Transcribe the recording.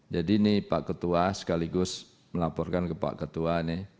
jadi ini pak ketua sekaligus melaporkan ke pak ketua